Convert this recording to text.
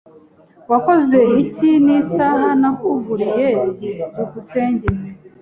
Wakoze iki nisaha nakuguriye? byukusenge